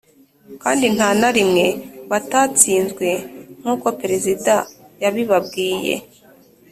kandi nta na rimwe batatsinzwe, nk’uko perezida yabibabwiye,